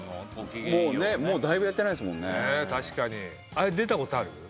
あれ出たことある？